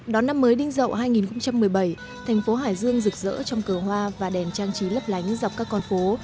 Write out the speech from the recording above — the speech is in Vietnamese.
đón năm mới đinh rậu hai nghìn một mươi bảy thành phố hải dương rực rỡ trong cờ hoa và đèn trang trí lấp lánh dọc các con phố